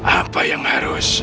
apa yang harus